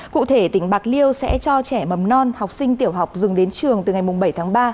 cụ thể tỉnh bạc liêu sẽ cho trẻ mầm non học sinh tiểu học dừng đến trường từ ngày bảy tháng ba